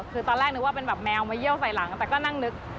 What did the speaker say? คือตอนแรกนึกว่าเป็นแบบแมวมาเยี่ยวใส่หลังแต่ก็นั่งนึก